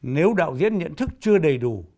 nếu đạo diễn nhận thức chưa đầy đủ